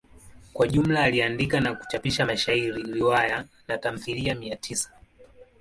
Kwa jumla aliandika na kuchapisha mashairi, riwaya na tamthilia mia tisa.